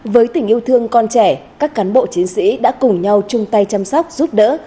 với tình yêu thương con trẻ các cán bộ chiến sĩ đã cùng nhau chung tay chăm sóc giúp đỡ